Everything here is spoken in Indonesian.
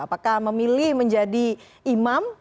apakah memilih menjadi imam